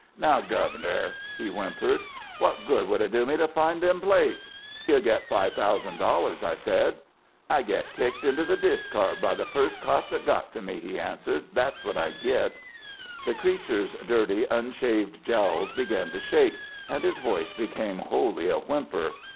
"'Now, Governor,' he whimpered, 'what good would it do me to find them plates?' "'You'd get five thousand dollars,' I said. "'I'd git kicked into the discard by the first cop that got to me,' he answered, 'that's what I'd git.' "The creature's dirty, unshaved jowls began to shake, and his voice became wholly a whimper.